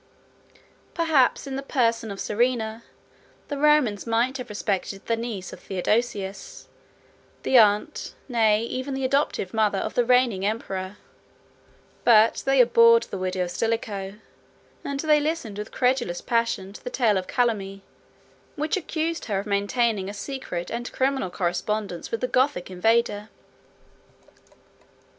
Perhaps in the person of Serena, the Romans might have respected the niece of Theodosius, the aunt, nay, even the adoptive mother, of the reigning emperor: but they abhorred the widow of Stilicho; and they listened with credulous passion to the tale of calumny, which accused her of maintaining a secret and criminal correspondence with the Gothic invader.